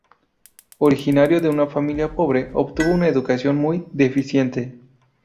Originario de una familia pobre obtuvo una educación muy deficiente.